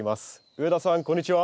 上田さんこんにちは。